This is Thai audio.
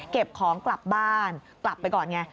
เก็บของกลับบ้านกลับไปก่อนไง